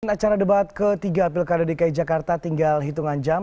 acara debat ketiga pilkada dki jakarta tinggal hitungan jam